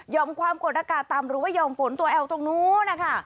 ยอมความกฎกาตามรู้ว่ายอมฝนตัวแอวตรงนู้นนะคะ